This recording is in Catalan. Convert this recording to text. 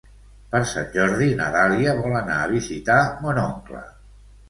Per Sant Jordi na Dàlia vol anar a visitar mon oncle.